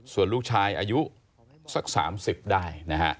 ส่วนลูกชายอายุสัก๓๐ได้นะฮะ